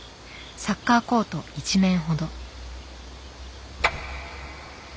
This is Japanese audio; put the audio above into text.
サッカーコート１面ほど。